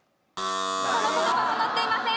その言葉は載っていません。